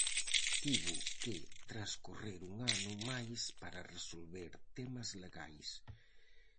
Tivo que transcorrer un ano máis para resolver temas legais.